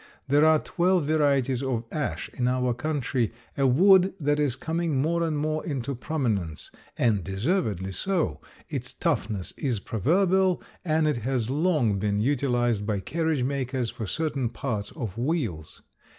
There are twelve varieties of ash in our country, a wood that is coming more and more into prominence, and deservedly so; its toughness is proverbial, and it has long been utilized by carriage makers for certain parts of wheels.